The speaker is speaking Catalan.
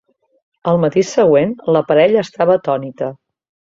Al matí següent la parella estava atònita.